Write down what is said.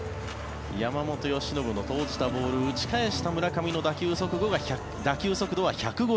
山本由伸の投じたボール打ち返した村上の打球速度は１５８ｋｍ。